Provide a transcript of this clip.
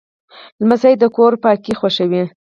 لمسی د کور پاکي خوښوي.